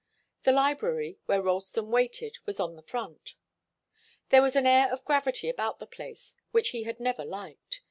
The library, where Ralston waited, was on the front. There was an air of gravity about the place which he had never liked.